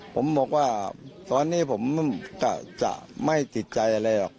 ผมบอกว่าตอนนี้ผมกะจะไม่ติดใจอะไรหรอก